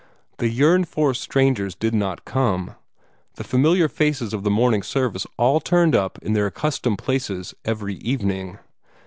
The yearned for strangers did not come; the familiar faces of the morning service all turned up in their accustomed places every evening.